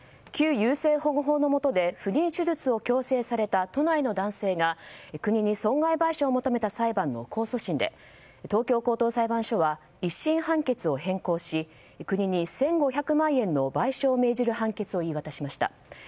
旧優生保護法のもとで不妊出術を強制された都内の男性が国に損害賠償を求めた裁判の控訴審で東京高等裁判所は１審判決を変更し国に１５００万円の賠償を命じる判決を言い渡しました。